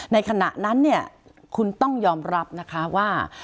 ในขณะนั้นคุณต้องยอมรับว่า